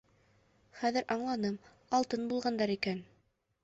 Хәҙер аңланым: алтын булғандар икән.